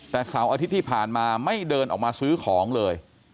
แต่เสาร์อาทิตย์ที่ผ่านมาไม่เดินออกมาซื้อของเลย